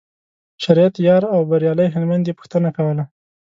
شریعت یار او بریالي هلمند یې پوښتنه کوله.